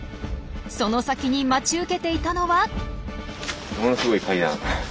その先に待ち受けていたのは。